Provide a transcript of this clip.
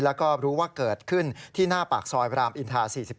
แล้วก็รู้ว่าเกิดขึ้นที่หน้าปากซอยบรามอินทา๔๔